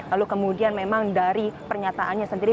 lalu kemudian memang dari pernyataannya sendiri